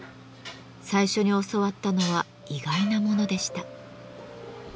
最初に教わったのは意外なものでした。